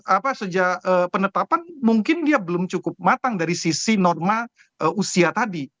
apa sejak penetapan mungkin dia belum cukup matang dari sisi norma usia tadi